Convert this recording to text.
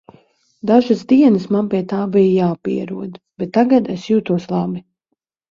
Dažas dienas man pie tā bija jāpierod, bet tagad es jūtos labi.